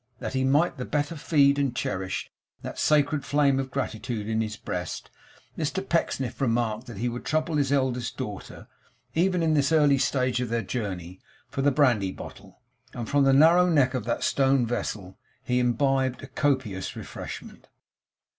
That he might the better feed and cherish that sacred flame of gratitude in his breast, Mr Pecksniff remarked that he would trouble his eldest daughter, even in this early stage of their journey, for the brandy bottle. And from the narrow neck of that stone vessel he imbibed a copious refreshment.